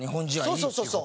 そうそうそうそう。